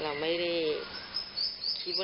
เราไม่ได้คิดว่า